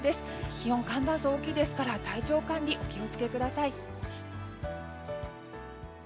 気温、寒暖差が大きいので体調管理、お気を付けください。